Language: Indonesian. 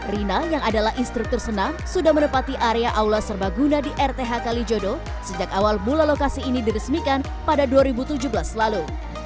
rina yang adalah instruktur senam sudah menepati area aula serbaguna di rth kalijodo sejak awal mula lokasi ini diresmikan pada dua ribu tujuh belas lalu